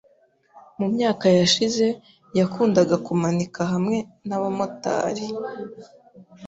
Mu myaka yashize, yakundaga kumanika hamwe nabamotari.